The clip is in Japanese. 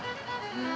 うん！